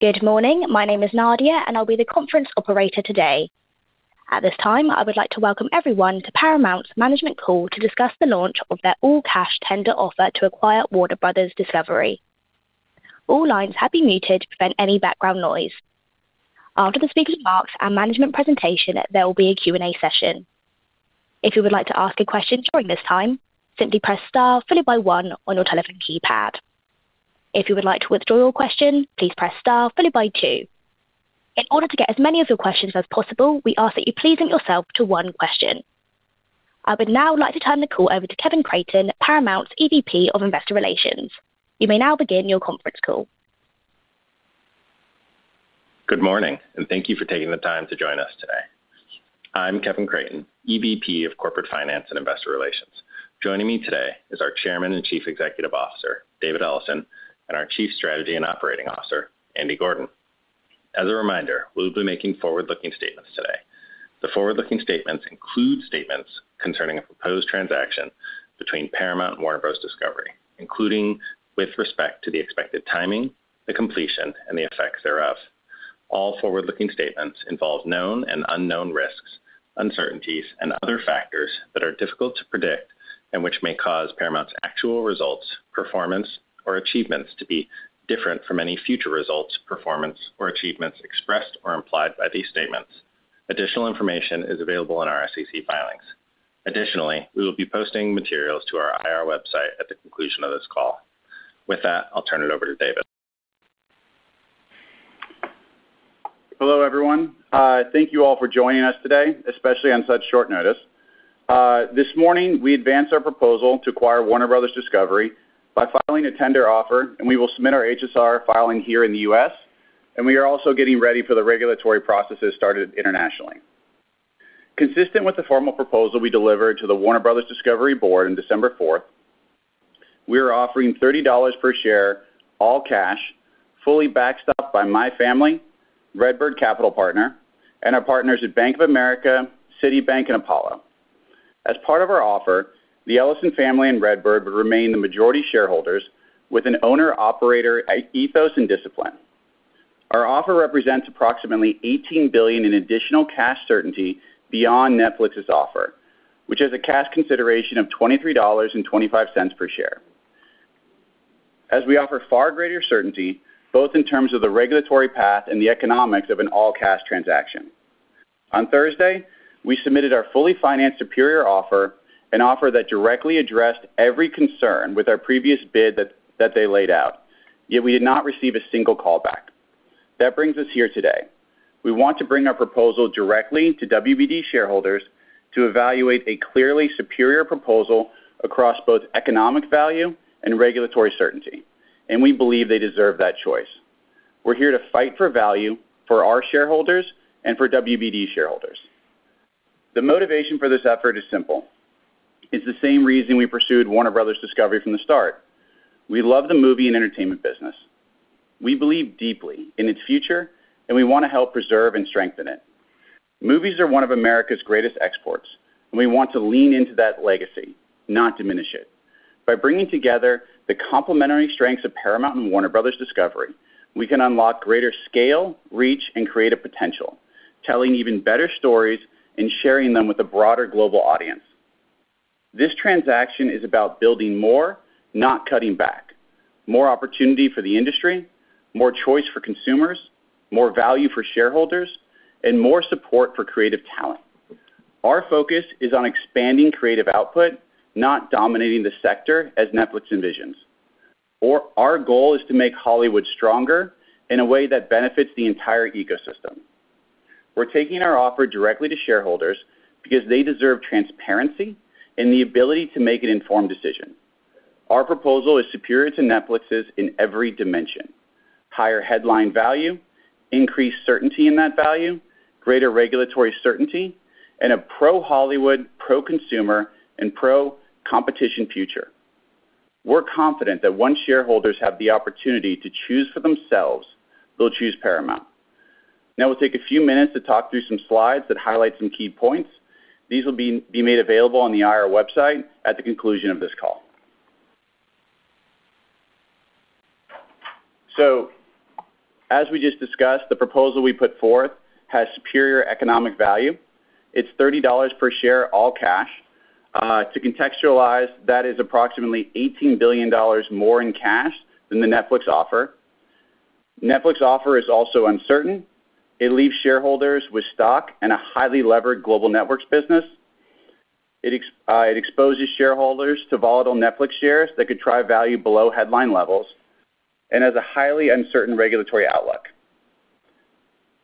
Good morning. My name is Nadia, and I'll be the conference operator today. At this time, I would like to welcome everyone to Paramount's management call to discuss the launch of their all-cash tender offer to acquire Warner Bros. Discovery. All lines have been muted to prevent any background noise. After the speaker remarks and management presentation, there will be a Q&A session. If you would like to ask a question during this time, simply press star followed by one on your telephone keypad. If you would like to withdraw your question, please press star followed by two. In order to get as many of your questions as possible, we ask that you please limit yourself to one question. I would now like to turn the call over to Kevin Creighton, Paramount's EVP of Investor Relations. You may now begin your conference call. Good morning, and thank you for taking the time to join us today. I'm Kevin Creighton, EVP of Corporate Finance and Investor Relations. Joining me today is our Chairman and Chief Executive Officer, David Ellison, and our Chief Strategy and Operating Officer, Andy Gordon. As a reminder, we'll be making forward-looking statements today. The forward-looking statements include statements concerning a proposed transaction between Paramount and Warner Bros. Discovery, including with respect to the expected timing, the completion, and the effects thereof. All forward-looking statements involve known and unknown risks, uncertainties, and other factors that are difficult to predict and which may cause Paramount's actual results, performance, or achievements to be different from any future results, performance, or achievements expressed or implied by these statements. Additional information is available in our SEC filings. Additionally, we will be posting materials to our IR website at the conclusion of this call. With that, I'll turn it over to David. Hello, everyone. Thank you all for joining us today, especially on such short notice. This morning, we advance our proposal to acquire Warner Bros. Discovery by filing a tender offer, and we will submit our HSR filing here in the U.S., and we are also getting ready for the regulatory processes started internationally. Consistent with the formal proposal we delivered to the Warner Bros. Discovery board on December 4, we are offering $30 per share, all cash, fully backed up by my family, RedBird Capital Partners, and our partners at Bank of America, Citibank, and Apollo. As part of our offer, the Ellison family and RedBird would remain the majority shareholders with an owner-operator ethos and discipline. Our offer represents approximately $18 billion in additional cash certainty beyond Netflix's offer, which has a cash consideration of $23.25 per share. As we offer far greater certainty, both in terms of the regulatory path and the economics of an all-cash transaction. On Thursday, we submitted our fully financed superior offer, an offer that directly addressed every concern with our previous bid that they laid out, yet we did not receive a single callback. That brings us here today. We want to bring our proposal directly to WBD shareholders to evaluate a clearly superior proposal across both economic value and regulatory certainty, and we believe they deserve that choice. We're here to fight for value for our shareholders and for WBD shareholders. The motivation for this effort is simple. It's the same reason we pursued Warner Bros. Discovery from the start. We love the movie and entertainment business. We believe deeply in its future, and we want to help preserve and strengthen it. Movies are one of America's greatest exports, and we want to lean into that legacy, not diminish it. By bringing together the complementary strengths of Paramount and Warner Bros. Discovery, we can unlock greater scale, reach, and creative potential, telling even better stories and sharing them with a broader global audience. This transaction is about building more, not cutting back: more opportunity for the industry, more choice for consumers, more value for shareholders, and more support for creative talent. Our focus is on expanding creative output, not dominating the sector as Netflix envisions. Our goal is to make Hollywood stronger in a way that benefits the entire ecosystem. We're taking our offer directly to shareholders because they deserve transparency and the ability to make an informed decision. Our proposal is superior to Netflix's in every dimension: higher headline value, increased certainty in that value, greater regulatory certainty, and a pro-Hollywood, pro-consumer, and pro-competition future. We're confident that once shareholders have the opportunity to choose for themselves, they'll choose Paramount. Now, we'll take a few minutes to talk through some slides that highlight some key points. These will be made available on the IR website at the conclusion of this call. So, as we just discussed, the proposal we put forth has superior economic value. It's $30 per share, all cash. To contextualize, that is approximately $18 billion more in cash than the Netflix offer. Netflix offer is also uncertain. It leaves shareholders with stock and a highly levered Global Networks business. It exposes shareholders to volatile Netflix shares that could drive value below headline levels and has a highly uncertain regulatory outlook.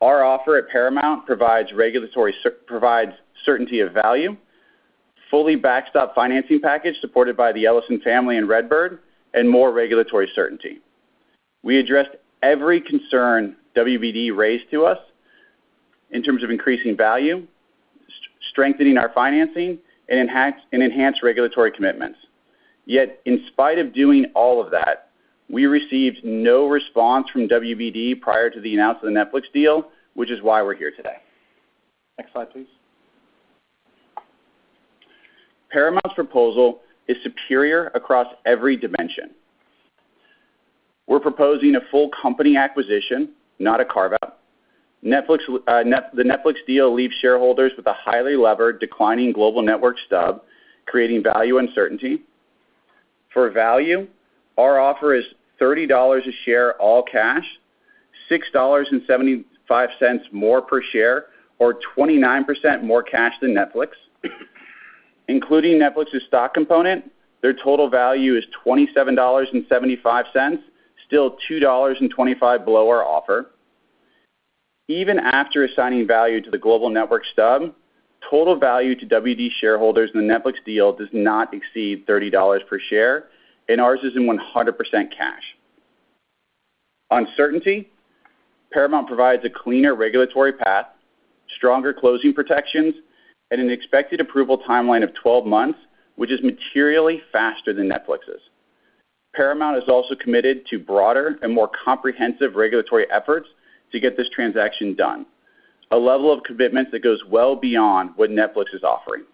Our offer at Paramount provides certainty of value, a fully backed-up financing package supported by the Ellison family and RedBird, and more regulatory certainty. We addressed every concern WBD raised to us in terms of increasing value, strengthening our financing, and enhanced regulatory commitments. Yet, in spite of doing all of that, we received no response from WBD prior to the announcement of the Netflix deal, which is why we're here today. Next slide, please. Paramount's proposal is superior across every dimension. We're proposing a full company acquisition, not a carve-out. The Netflix deal leaves shareholders with a highly levered, declining global network stub, creating value uncertainty. For value, our offer is $30 a share, all cash, $6.75 more per share, or 29% more cash than Netflix. Including Netflix's stock component, their total value is $27.75, still $2.25 below our offer. Even after assigning value to the global network stub, total value to WBD shareholders in the Netflix deal does not exceed $30 per share, and ours is in 100% cash. On certainty, Paramount provides a cleaner regulatory path, stronger closing protections, and an expected approval timeline of 12 months, which is materially faster than Netflix's. Paramount is also committed to broader and more comprehensive regulatory efforts to get this transaction done, a level of commitment that goes well beyond what Netflix is offering.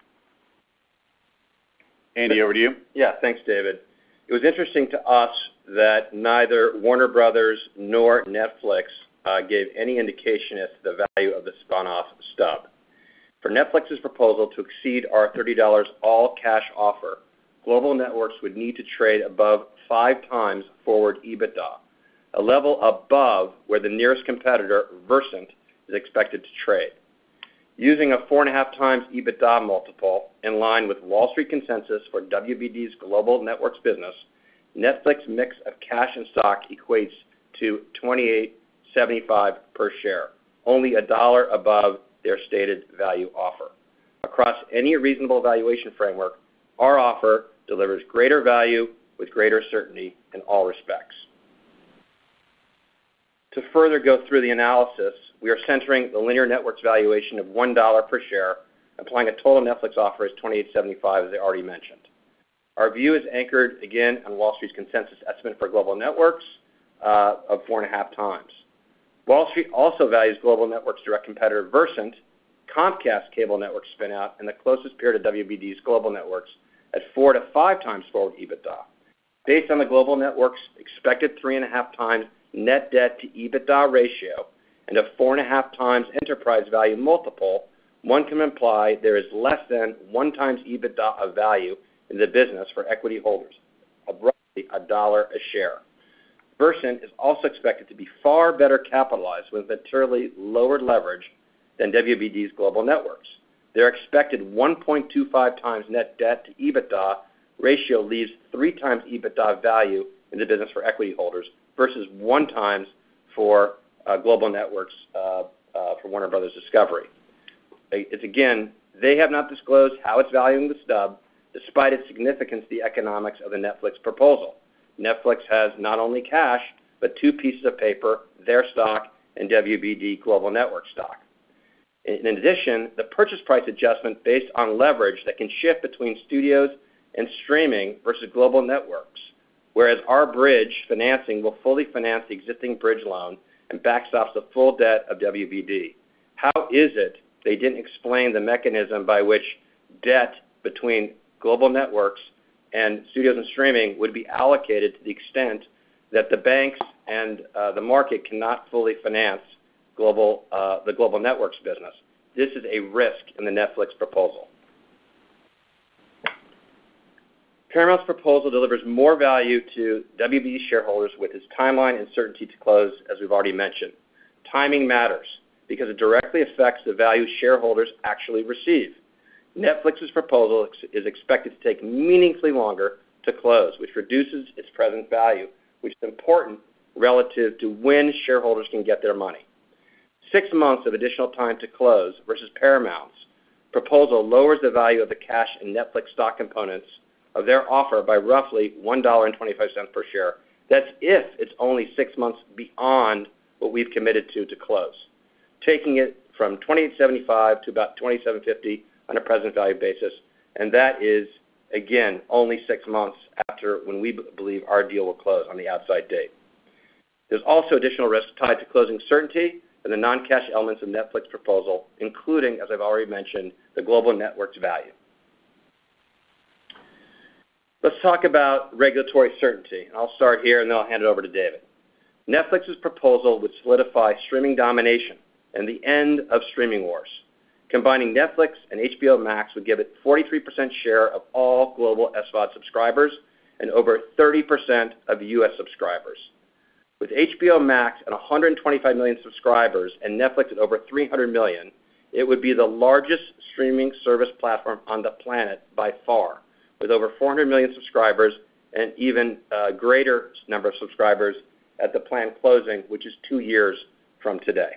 Andy, over to you. Yeah, thanks, David. It was interesting to us that neither Warner Bros. nor Netflix gave any indication as to the value of the spun-off stub. For Netflix's proposal to exceed our $30 all-cash offer, Global Networks would need to trade above 5x forward EBITDA, a level above where the nearest competitor, VERSANT, is expected to trade. Using a 4.5x EBITDA multiple, in line with Wall Street consensus for WBD's Global Networks business, Netflix's mix of cash and stock equates to $28.75 per share, only a dollar above their stated value offer. Across any reasonable valuation framework, our offer delivers greater value with greater certainty in all respects. To further go through the analysis, we are centering the linear networks valuation of $1 per share, implying a total Netflix offer is $28.75, as I already mentioned. Our view is anchored, again, on Wall Street's consensus estimate for Global Networks of 4.5x. Wall Street also values Global Networks' direct competitor, VERSANT, Comcast Cable Network spinout, and the closest peer to WBD's Global Networks at 4-5x forward EBITDA. Based on the Global Networks' expected 3.5x net debt to EBITDA ratio and a 4.5xenterprise value multiple, one can imply there is less than 1x EBITDA of value in the business for equity holders, about $1 a share. VERSANT is also expected to be far better capitalized with materially lower leverage than WBD's Global Networks. Their expected 1.25x net debt to EBITDA ratio leaves 3x EBITDA of value in the business for equity holders versus 1x for Global Networks for Warner Bros. Discovery. Again, they have not disclosed how it's valuing the stub, despite its significance to the economics of the Netflix proposal. Netflix has not only cash, but two pieces of paper: their stock and WBD global network stock. In addition, the purchase price adjustment based on leverage that can shift between studios and streaming versus Global Networks, whereas our bridge financing will fully finance the existing bridge loan and backstops the full debt of WBD. How is it they didn't explain the mechanism by which debt between Global Networks and studios and streaming would be allocated to the extent that the banks and the market cannot fully finance the Global Networks business? This is a risk in the Netflix proposal. Paramount's proposal delivers more value to WBD shareholders with its timeline and certainty to close, as we've already mentioned. Timing matters because it directly affects the value shareholders actually receive. Netflix's proposal is expected to take meaningfully longer to close, which reduces its present value, which is important relative to when shareholders can get their money. Six months of additional time to close versus Paramount's proposal lowers the value of the cash and Netflix stock components of their offer by roughly $1.25 per share. That's if it's only six months beyond what we've committed to to close, taking it from $28.75 to about $27.50 on a present value basis. And that is, again, only six months after when we believe our deal will close on the outside date. There's also additional risk tied to closing certainty and the non-cash elements of Netflix's proposal, including, as I've already mentioned, the Global Networks value. Let's talk about regulatory certainty. I'll start here, and then I'll hand it over to David. Netflix's proposal would solidify streaming domination and the end of streaming wars. Combining Netflix and HBO Max would give it a 43% share of all global SVOD subscribers and over 30% of U.S. subscribers. With HBO Max at 125 million subscribers and Netflix at over 300 million, it would be the largest streaming service platform on the planet by far, with over 400 million subscribers and an even greater number of subscribers at the planned closing, which is two years from today.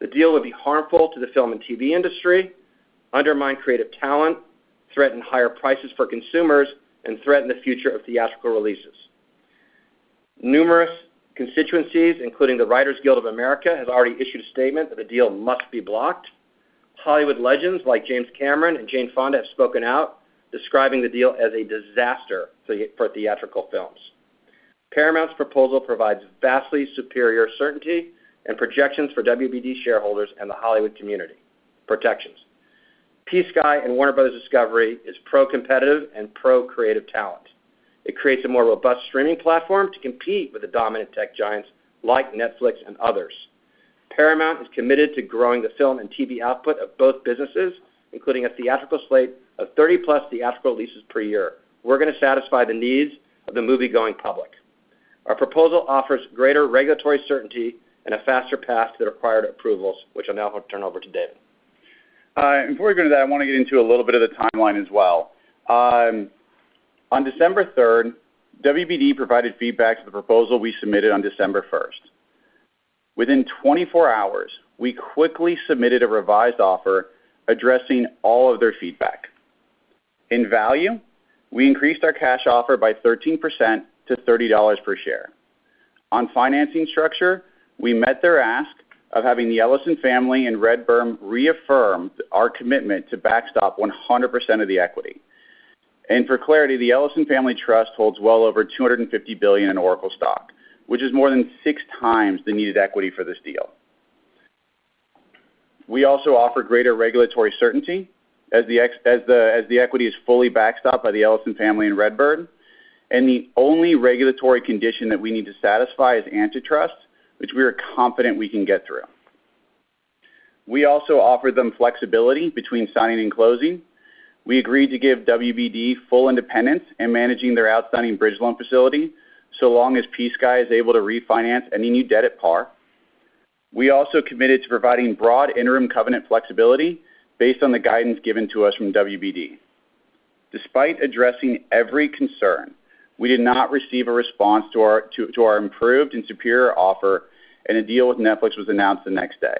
The deal would be harmful to the film and TV industry, undermine creative talent, threaten higher prices for consumers, and threaten the future of theatrical releases. Numerous constituencies, including the Writers Guild of America, have already issued a statement that the deal must be blocked. Hollywood legends like James Cameron and Jane Fonda have spoken out, describing the deal as a disaster for theatrical films. Paramount's proposal provides vastly superior certainty and projections for WBD shareholders and the Hollywood community. Protections. PSKY and Warner Bros. Discovery is pro-competitive and pro-creative talent. It creates a more robust streaming platform to compete with the dominant tech giants like Netflix and others. Paramount is committed to growing the film and TV output of both businesses, including a theatrical slate of 30-plus theatrical releases per year. We're going to satisfy the needs of the movie-going public. Our proposal offers greater regulatory certainty and a faster path to the required approvals, which I'll now turn over to David. Before we go to that, I want to get into a little bit of the timeline as well. On December 3rd, WBD provided feedback to the proposal we submitted on December 1st. Within 24 hours, we quickly submitted a revised offer addressing all of their feedback. In value, we increased our cash offer by 13% to $30 per share. On financing structure, we met their ask of having the Ellison family and RedBird reaffirm our commitment to backstop 100% of the equity, and for clarity, the Ellison Family Trust holds well over $250 billion in Oracle stock, which is more than 6x the needed equity for this deal. We also offer greater regulatory certainty as the equity is fully backstopped by the Ellison family and RedBird, and the only regulatory condition that we need to satisfy is antitrust, which we are confident we can get through. We also offered them flexibility between signing and closing. We agreed to give WBD full independence in managing their outstanding bridge loan facility so long as PSKY is able to refinance any new debt at par. We also committed to providing broad interim covenant flexibility based on the guidance given to us from WBD. Despite addressing every concern, we did not receive a response to our improved and superior offer, and a deal with Netflix was announced the next day,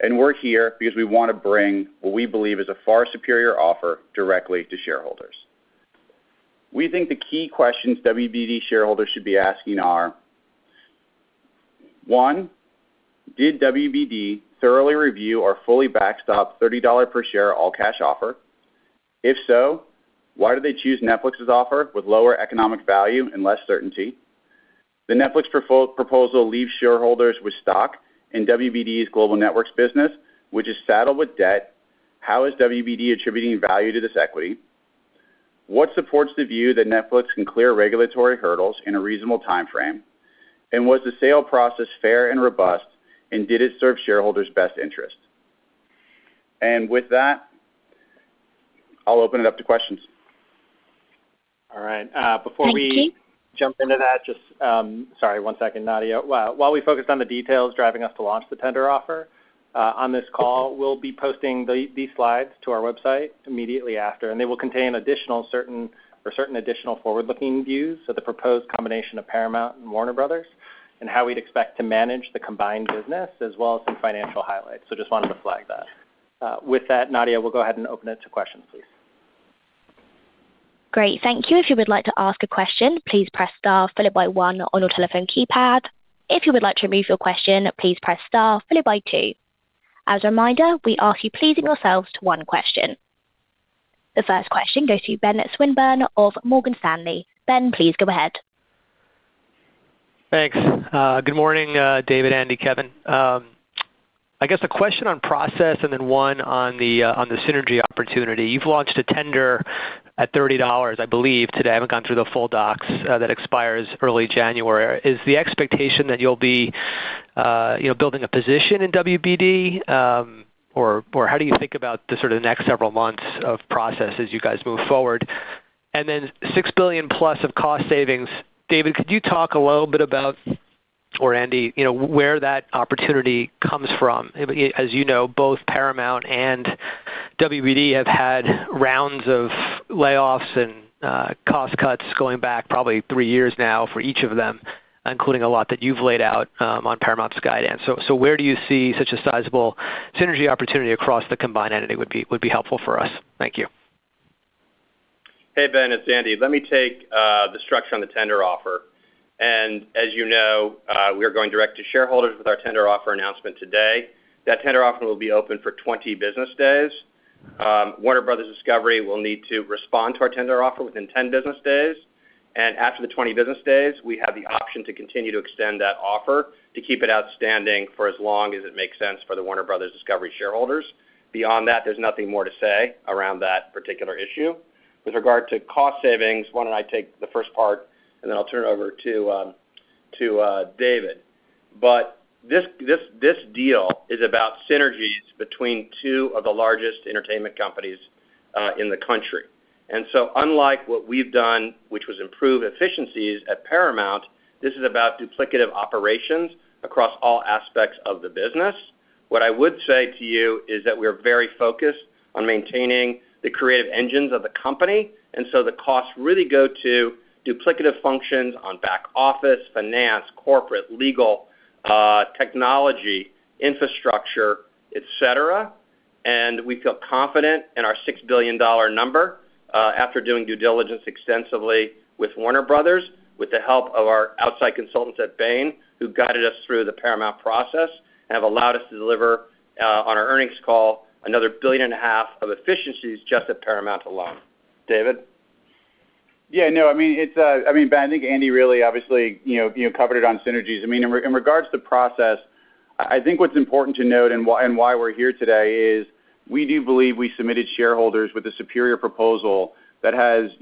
and we're here because we want to bring what we believe is a far superior offer directly to shareholders. We think the key questions WBD shareholders should be asking are: one, did WBD thoroughly review our fully backstopped $30 per share all-cash offer? If so, why did they choose Netflix's offer with lower economic value and less certainty? The Netflix proposal leaves shareholders with stock in WBD's Global Networks business, which is saddled with debt. How is WBD attributing value to this equity? What supports the view that Netflix can clear regulatory hurdles in a reasonable timeframe? And was the sale process fair and robust, and did it serve shareholders' best interest, and with that, I'll open it up to questions. All right. Before we. Thank you. Jump into that, just sorry, one second, Nadia. While we focus on the details driving us to launch the tender offer, on this call, we'll be posting these slides to our website immediately after, and they will contain certain additional forward-looking views of the proposed combination of Paramount and Warner Bros. and how we'd expect to manage the combined business, as well as some financial highlights. So just wanted to flag that. With that, Nadia, we'll go ahead and open it to questions, please. Great. Thank you. If you would like to ask a question, please press star followed by one on your telephone keypad. If you would like to remove your question, please press star followed by two. As a reminder, we ask you please limit yourselves to one question. The first question goes to Ben Swinburne of Morgan Stanley. Ben, please go ahead. Thanks. Good morning, David, Andy, Kevin. I guess a question on process and then one on the synergy opportunity. You've launched a tender at $30, I believe, today. I haven't gone through the full docs. That expires early January. Is the expectation that you'll be building a position in WBD, or how do you think about the sort of next several months of process as you guys move forward? And then $6 billion plus of cost savings. David, could you talk a little bit about, or Andy, where that opportunity comes from? As you know, both Paramount and WBD have had rounds of layoffs and cost cuts going back probably three years now for each of them, including a lot that you've laid out on Paramount Skydance. So where do you see such a sizable synergy opportunity across the combined entity would be helpful for us? Thank you. Hey, Ben, it's Andy. Let me take the structure on the tender offer, and as you know, we are going direct to shareholders with our tender offer announcement today. That tender offer will be open for 20 business days. Warner Bros. Discovery will need to respond to our tender offer within 10 business days, and after the 20 business days, we have the option to continue to extend that offer to keep it outstanding for as long as it makes sense for the Warner Bros. Discovery shareholders. Beyond that, there's nothing more to say around that particular issue. With regard to cost savings, why don't I take the first part, and then I'll turn it over to David, but this deal is about synergies between two of the largest entertainment companies in the country. And so unlike what we've done, which was improve efficiencies at Paramount, this is about duplicative operations across all aspects of the business. What I would say to you is that we are very focused on maintaining the creative engines of the company. And so the costs really go to duplicative functions on back office, finance, corporate, legal, technology, infrastructure, etc. And we feel confident in our $6 billion number after doing due diligence extensively with Warner Bros. with the help of our outside consultants at Bain, who guided us through the Paramount process and have allowed us to deliver on our earnings call another $1.5 billion of efficiencies just at Paramount alone. David? Yeah. No, I mean, Ben, I think Andy really obviously covered it on synergies. I mean, in regards to the process, I think what's important to note and why we're here today is we do believe we submitted shareholders with a superior proposal that has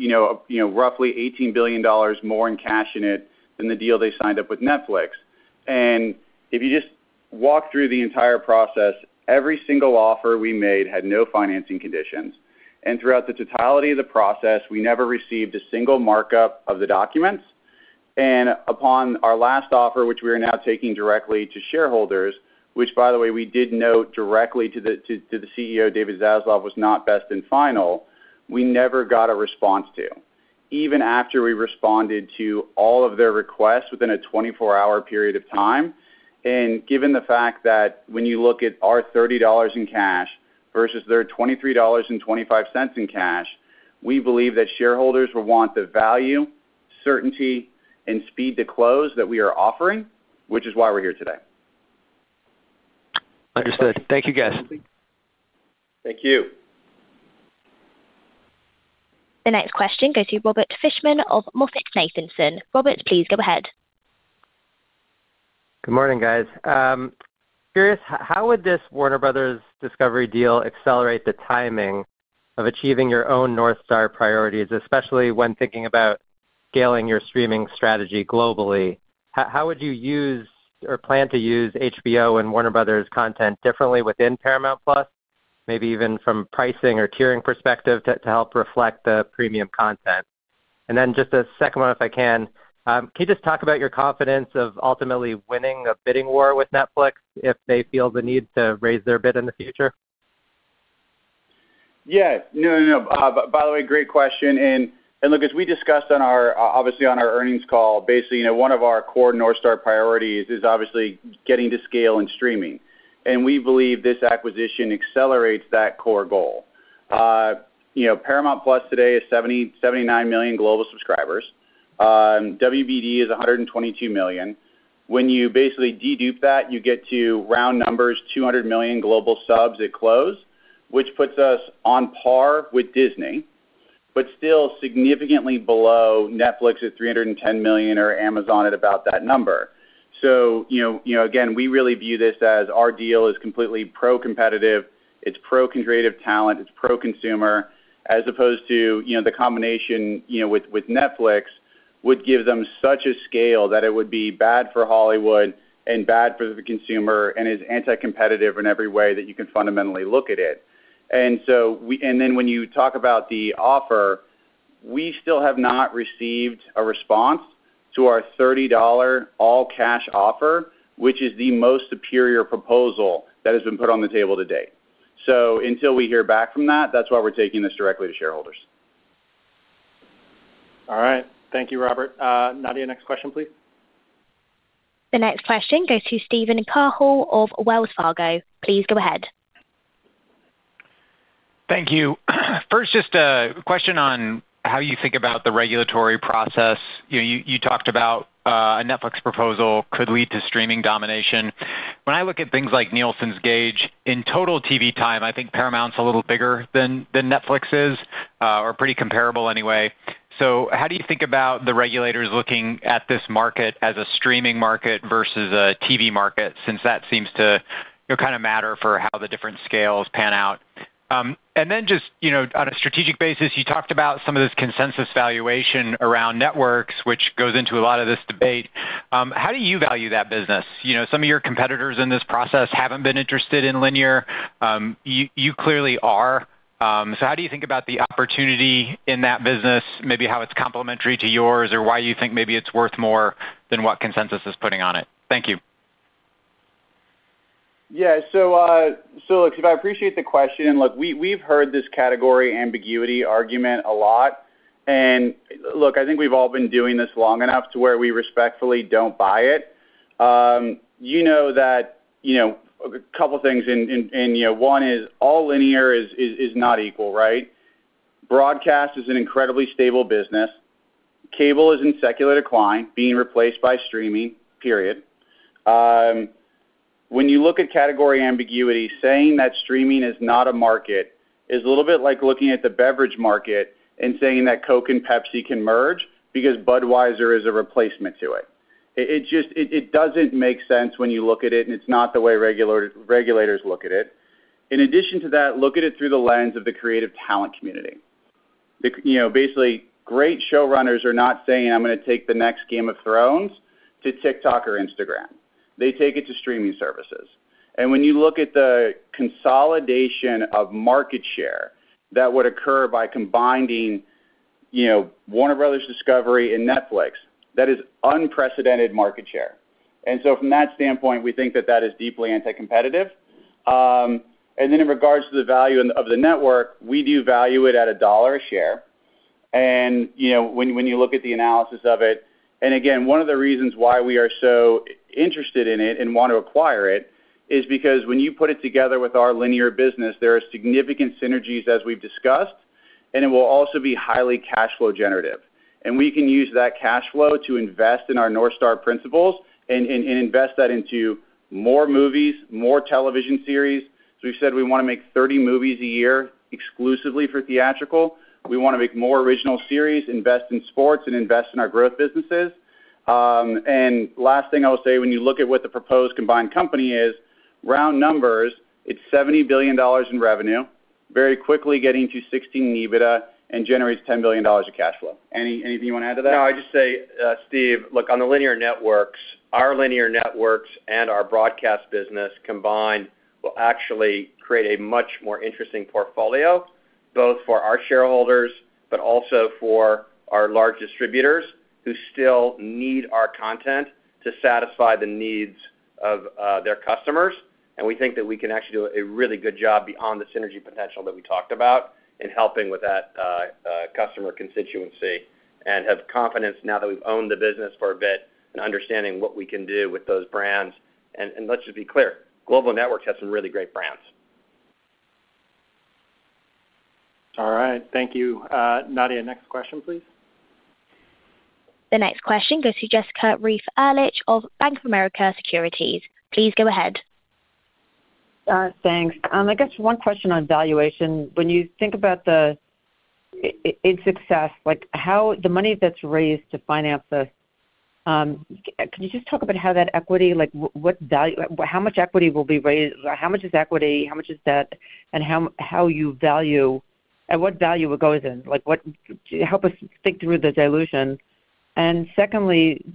roughly $18 billion more in cash in it than the deal they signed up with Netflix. If you just walk through the entire process, every single offer we made had no financing conditions. Throughout the totality of the process, we never received a single markup of the documents. Upon our last offer, which we are now taking directly to shareholders, which, by the way, we did note directly to the CEO, David Zaslav, was not best and final, we never got a response to. Even after we responded to all of their requests within a 24-hour period of time. Given the fact that when you look at our $30 in cash versus their $23.25 in cash, we believe that shareholders will want the value, certainty, and speed to close that we are offering, which is why we're here today. Understood. Thank you, guys. Thank you. The next question goes to Robert Fishman of MoffettNathanson. Robert, please go ahead. Good morning, guys. Curious, how would this Warner Bros. Discovery deal accelerate the timing of achieving your own North Star priorities, especially when thinking about scaling your streaming strategy globally? How would you use or plan to use HBO and Warner Bros. content differently within Paramount+, maybe even from pricing or tiering perspective to help reflect the premium content? And then just a second one, if I can, can you just talk about your confidence of ultimately winning a bidding war with Netflix if they feel the need to raise their bid in the future? Yeah. No, no, no. By the way, great question. And look, as we discussed obviously on our earnings call, basically one of our core North Star priorities is obviously getting to scale in streaming. And we believe this acquisition accelerates that core goal. Paramount+ today is 79 million global subscribers. WBD is 122 million. When you basically dedupe that, you get to round numbers, 200 million global subs at close, which puts us on par with Disney, but still significantly below Netflix at 310 million or Amazon at about that number. So again, we really view this as our deal is completely pro-competitive. It's pro-creative talent. It's pro-consumer, as opposed to the combination with Netflix would give them such a scale that it would be bad for Hollywood and bad for the consumer and is anti-competitive in every way that you can fundamentally look at it. And then when you talk about the offer, we still have not received a response to our $30 all-cash offer, which is the most superior proposal that has been put on the table to date. So until we hear back from that, that's why we're taking this directly to shareholders. All right. Thank you, Robert. Nadia, next question, please. The next question goes to Steven Cahall of Wells Fargo. Please go ahead. Thank you. First, just a question on how you think about the regulatory process. You talked about a Netflix proposal could lead to streaming domination. When I look at things like Nielsen's Gauge, in total TV time, I think Paramount's a little bigger than Netflix is or pretty comparable anyway. So how do you think about the regulators looking at this market as a streaming market versus a TV market since that seems to kind of matter for how the different scales pan out? And then just on a strategic basis, you talked about some of this consensus valuation around networks, which goes into a lot of this debate. How do you value that business? Some of your competitors in this process haven't been interested in linear. You clearly are. So how do you think about the opportunity in that business, maybe how it's complementary to yours or why you think maybe it's worth more than what consensus is putting on it? Thank you. Yeah. So look, Steve, I appreciate the question. And look, we've heard this category ambiguity argument a lot. And look, I think we've all been doing this long enough to where we respectfully don't buy it. You know that a couple of things. And one is all linear is not equal, right? Broadcast is an incredibly stable business. Cable is in secular decline being replaced by streaming, period. When you look at category ambiguity, saying that streaming is not a market is a little bit like looking at the beverage market and saying that Coke and Pepsi can merge because Budweiser is a replacement to it. It doesn't make sense when you look at it, and it's not the way regulators look at it. In addition to that, look at it through the lens of the creative talent community. Basically, great showrunners are not saying, "I'm going to take the next Game of Thrones to TikTok or Instagram." They take it to streaming services, and when you look at the consolidation of market share that would occur by combining Warner Bros. Discovery and Netflix, that is unprecedented market share, and so from that standpoint, we think that that is deeply anti-competitive, and then in regards to the value of the network, we do value it at $1 a share. And when you look at the analysis of it, and again, one of the reasons why we are so interested in it and want to acquire it is because when you put it together with our linear business, there are significant synergies as we've discussed, and it will also be highly cash flow generative. And we can use that cash flow to invest in our North Star principles and invest that into more movies, more television series. So we've said we want to make 30 movies a year exclusively for theatrical. We want to make more original series, invest in sports, and invest in our growth businesses. And last thing I will say, when you look at what the proposed combined company is, round numbers, it's $70 billion in revenue, very quickly getting to 16 EBITDA and generates $10 billion of cash flow. Anything you want to add to that? No, I just say, Steve, look, on the linear networks, our linear networks and our broadcast business combined will actually create a much more interesting portfolio both for our shareholders but also for our large distributors who still need our content to satisfy the needs of their customers. And we think that we can actually do a really good job beyond the synergy potential that we talked about in helping with that customer constituency and have confidence now that we've owned the business for a bit and understanding what we can do with those brands. And let's just be clear, Global Networks has some really great brands. All right. Thank you. Nadia, next question, please. The next question goes to Jessica Reif Ehrlich of Bank of America Securities. Please go ahead. Thanks. I guess one question on valuation. When you think about the success, the money that's raised to finance this, could you just talk about how that equity, how much equity will be raised, how much is equity, how much is debt, and how you value, and what value it goes in? Help us think through the dilution. And secondly, in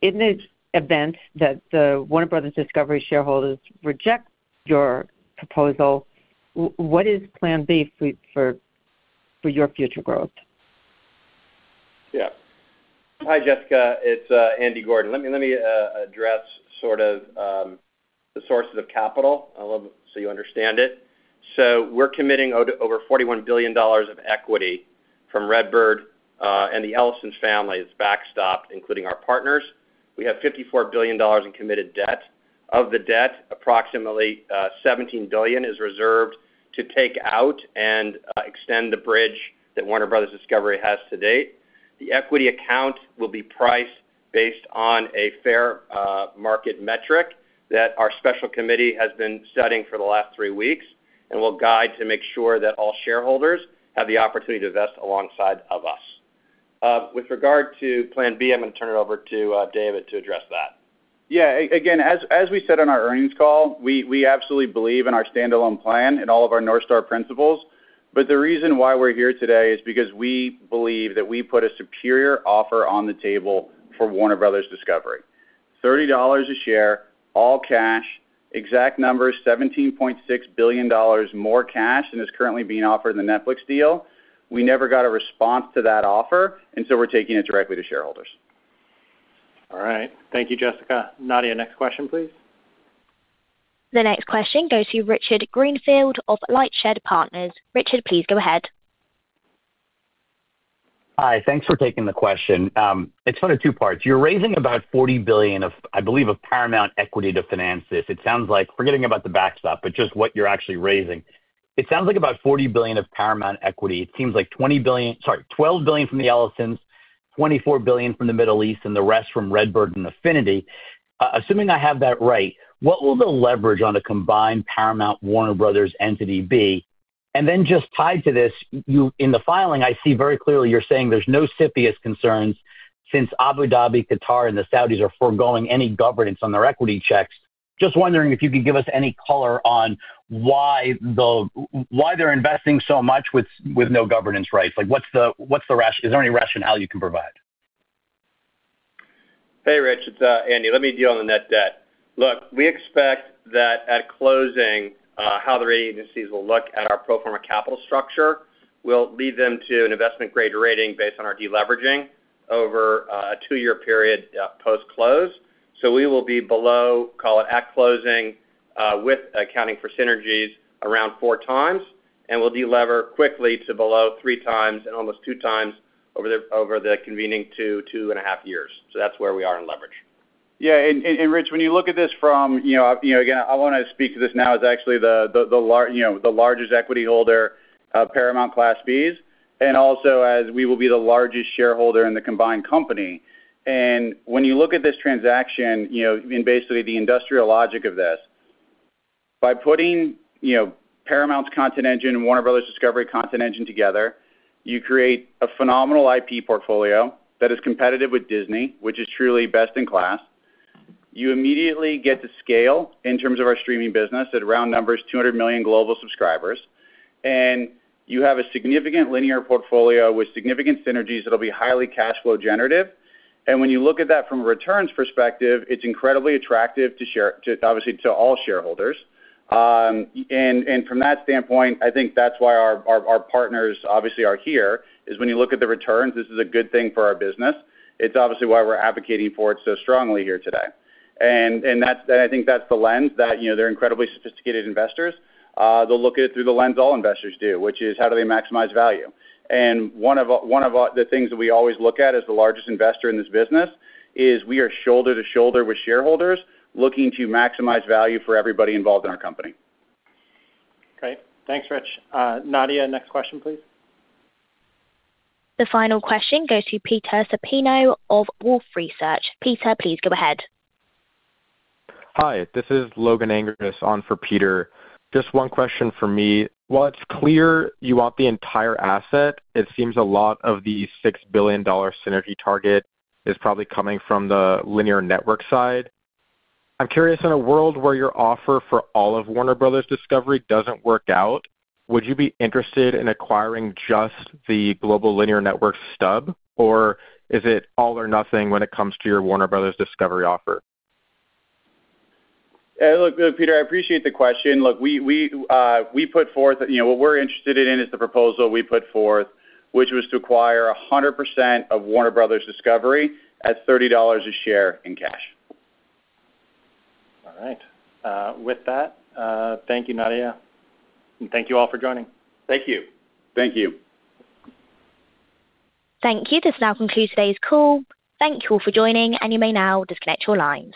the event that the Warner Bros. Discovery shareholders reject your proposal, what is plan B for your future growth? Yeah. Hi, Jessica. It's Andy Gordon. Let me address sort of the sources of capital so you understand it. So we're committing over $41 billion of equity from RedBird and the Ellison family as backstop, including our partners. We have $54 billion in committed debt. Of the debt, approximately $17 billion is reserved to take out and extend the bridge that Warner Bros. Discovery has to date. The equity account will be priced based on a fair market metric that our special committee has been studying for the last three weeks and will guide to make sure that all shareholders have the opportunity to vest alongside of us. With regard to plan B, I'm going to turn it over to David to address that. Yeah. Again, as we said on our earnings call, we absolutely believe in our standalone plan and all of our North Star principles. But the reason why we're here today is because we believe that we put a superior offer on the table for Warner Bros. Discovery. $30 a share, all cash, exact number, $17.6 billion more cash than is currently being offered in the Netflix deal. We never got a response to that offer, and so we're taking it directly to shareholders. All right. Thank you, Jessica. Nadia, next question, please. The next question goes to Richard Greenfield of LightShed Partners. Richard, please go ahead. Hi. Thanks for taking the question. It's split into two parts. You're raising about $40 billion, I believe, of Paramount equity to finance this. It sounds like forgetting about the backstop, but just what you're actually raising. It sounds like about $40 billion of Paramount equity. It seems like $20 billion, sorry, $12 billion from the Ellisons, $24 billion from the Middle East, and the rest from RedBird and Affinity. Assuming I have that right, what will the leverage on a combined Paramount-Warner Bros. entity be? And then just tied to this, in the filing, I see very clearly you're saying there's no CFIUS concerns since Abu Dhabi, Qatar, and the Saudis are foregoing any governance on their equity checks. Just wondering if you could give us any color on why they're investing so much with no governance rights. Is there any rationale you can provide? Hey, Rich, it's Andy. Let me deal with the net debt. Look, we expect that at closing, how the rating agencies will look at our pro forma capital structure will lead them to an investment-grade rating based on our deleveraging over a two-year period post-close. So we will be below, call it at closing, with accounting for synergies, around four times. And we'll delever quickly to below three times and almost two times over the coming two and a half years. So that's where we are in leverage. Yeah. And, Rich, when you look at this from, again, I want to speak to this now as actually the largest equity holder, Paramount Class B shares, and also as we will be the largest shareholder in the combined company. And when you look at this transaction and basically the industrial logic of this, by putting Paramount's content engine and Warner Bros. Discovery content engine together, you create a phenomenal IP portfolio that is competitive with Disney, which is truly best in class. You immediately get to scale in terms of our streaming business at round numbers, 200 million global subscribers, and you have a significant linear portfolio with significant synergies that will be highly cash flow generative, and when you look at that from a returns perspective, it's incredibly attractive to, obviously, to all shareholders. And from that standpoint, I think that's why our partners obviously are here, is when you look at the returns, this is a good thing for our business. It's obviously why we're advocating for it so strongly here today, and I think that's the lens that they're incredibly sophisticated investors. They'll look at it through the lens all investors do, which is how do they maximize value. One of the things that we always look at as the largest investor in this business is we are shoulder to shoulder with shareholders looking to maximize value for everybody involved in our company. Great. Thanks, Rich. Nadia, next question, please. The final question goes to Peter Supino of Wolfe Research. Peter, please go ahead. Hi. This is Logan Angress on for Peter. Just one question for me. While it's clear you want the entire asset, it seems a lot of the $6 billion synergy target is probably coming from the linear network side. I'm curious, in a world where your offer for all of Warner Bros. Discovery doesn't work out, would you be interested in acquiring just the global linear network stub, or is it all or nothing when it comes to your Warner Bros. Discovery offer? Look, Peter, I appreciate the question. Look, we put forth what we're interested in is the proposal we put forth, which was to acquire 100% of Warner Bros. Discovery at $30 a share in cash. All right. With that, thank you, Nadia, and thank you all for joining. Thank you. Thank you. Thank you. This now concludes today's call. Thank you all for joining, and you may now disconnect your lines.